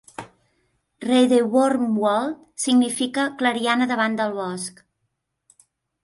"Radevormwald" significa "clariana davant del bosc".